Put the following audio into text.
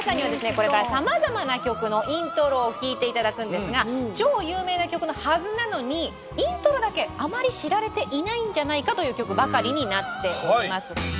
これからさまざまな曲のイントロを聴いていただくんですが超有名な曲のはずなのにイントロだけあまり知られていないんじゃないかという曲ばかりになっております。